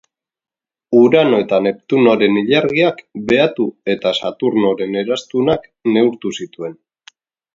Urano eta Neptunoren ilargiak behatu eta Saturnoren eraztunak neurtu zituen.